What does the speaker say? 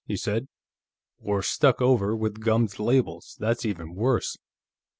he said. "Or stuck over with gummed labels; that's even worse.